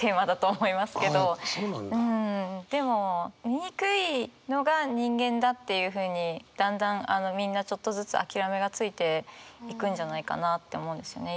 でも醜いのが人間だっていうふうにだんだんみんなちょっとずつ諦めがついていくんじゃないかなって思うんですよね